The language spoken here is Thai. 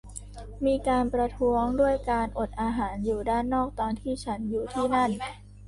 มีการประท้วงด้วยการอดอาหารอยู่ด้านนอกตอนที่ฉันอยู่ที่นั่น